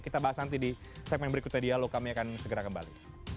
kita bahas nanti di segmen berikutnya dialog kami akan segera kembali